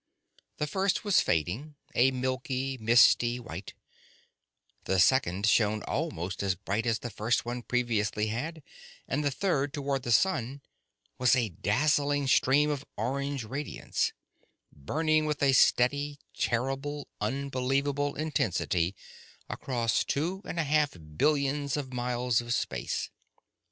The first was fading, a milky, misty white; the second shone almost as bright as the first one previously had; and the third, toward the sun, was a dazzling stream of orange radiance, burning with a steady, terrible, unbelievable intensity across two and a half billions of miles of space!